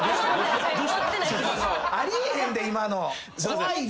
ありえへんで今の。怖いで。